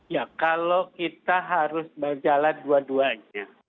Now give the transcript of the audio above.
ya kalau kita harus berjalan dua duanya